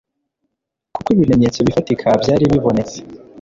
kuko ibimenyetso bifatika byari bibonetse